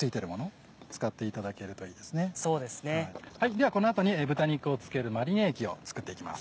ではこの後に豚肉を漬けるマリネ液を作っていきます。